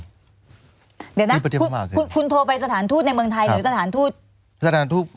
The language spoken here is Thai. เดี๋ยวนะคุณโทรไปสถานทูตในเมืองไทยหรือสถานทูตสถานทูต